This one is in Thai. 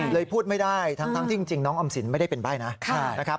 เลยพูดไม่ได้ทั้งที่จริงน้องออมสินไม่ได้เป็นใบ้นะนะครับ